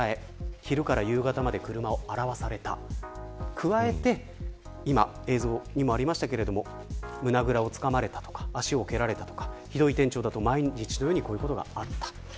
加えて、今映像にもありましたが胸ぐらをつかまれたとか足をけられたとかひどい店長だと毎日のようにこういったことがあった。